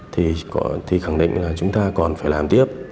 thì khẳng định là chúng ta còn phải làm tiếp